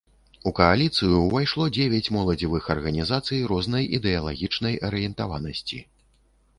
У кааліцыю ўвайшло дзевяць моладзевых арганізацый рознай ідэалагічнай арыентаванасці.